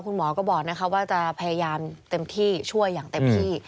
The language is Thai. คุณหมอก็บอกว่าจะพยายามเต็มที่ช่วยอย่างเต็มที่